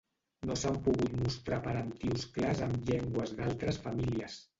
No s'han pogut mostrar parentius clars amb llengües d'altres famílies.